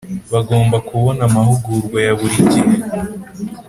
Bagomba kubona amahugurwa ya buri gihe